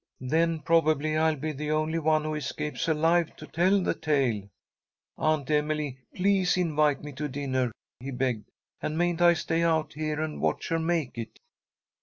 "Then probably I'll be the only one who escapes alive to tell the tale. Aunt Emily, please invite me to dinner," he begged, "and mayn't I stay out here, and watch her make it?"